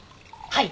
はい。